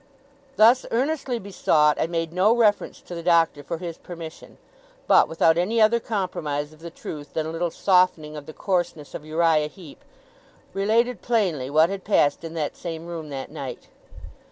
Thus earnestly besought, I made no reference to the Doctor for his permission, but, without any other compromise of the truth than a little softening of the coarseness of Uriah Heep, related plainly what had passed in that same room that night.